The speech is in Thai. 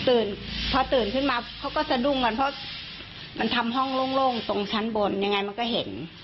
พอตื่นขึ้นมาเขาก็สะดุ้งกันเพราะมันทำห้องโล่งตรงชั้นบนยังไงมันก็เห็น